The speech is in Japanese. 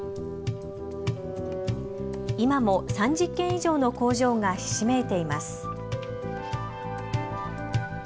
今も３０軒以上の工場がひしめいています。